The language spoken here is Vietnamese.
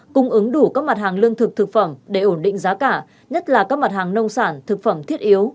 cung ứng đủ các mặt hàng lương thực thực phẩm để ổn định giá cả nhất là các mặt hàng nông sản thực phẩm thiết yếu